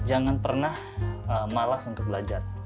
jangan pernah malas untuk belajar